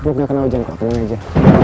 gue gak kenal jangan kok tenang aja